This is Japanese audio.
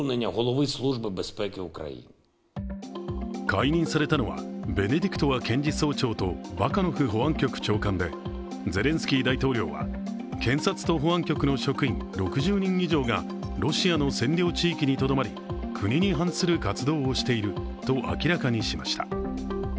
解任されたのは、ベネディクトワ検事総長とバカノフ保安局長官でゼレンスキー大統領は検察と保安局の職員６０人以上がロシアの占領地域にとどまり、国に反する活動をしていると明らかにしました。